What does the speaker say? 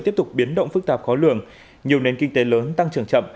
tiếp tục biến động phức tạp khó lường nhiều nền kinh tế lớn tăng trưởng chậm